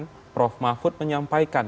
bahkan prof mahfud menyampaikan